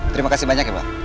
terima kasih banyak ya pak